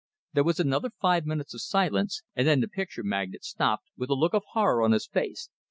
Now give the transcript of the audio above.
There was another five minutes of silence; and then the picture magnate stopped, with a look of horror on his face.